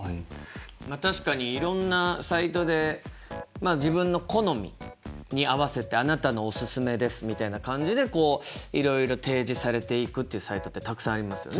まあ確かにいろんなサイトで自分の好みに合わせて「あなたのおすすめです」みたいな感じでこういろいろ提示されていくっていうサイトってたくさんありますよね。